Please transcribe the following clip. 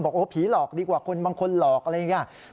ผีหลอกดีกว่าคนบางคนหลอกอะไรอย่างนี้